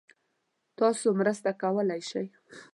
تاسو مرسته کولای شئ؟